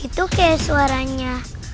itu kayak suaranya